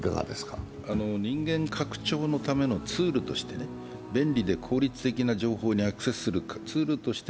人間拡張のためのツールとして、便利で効率的な情報にアクセスするツールとして